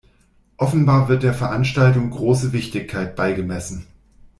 Offenbar wird der Veranstaltung große Wichtigkeit beigemessen.